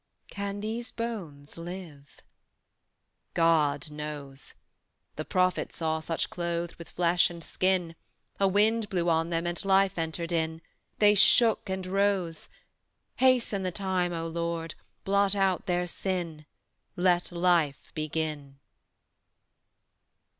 "Can these bones live?" "God knows: The prophet saw such clothed with flesh and skin A wind blew on them and life entered in; They shook and rose. Hasten the time, O Lord, blot out their sin, Let life begin."